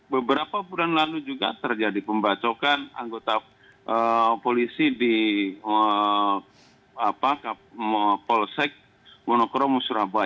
beberapa bulan lalu juga terjadi pembacokan anggota polisi di polsek monokromo surabaya